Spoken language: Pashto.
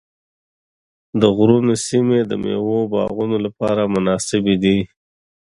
د غرونو سیمې د مېوو باغونو لپاره مناسبې دي.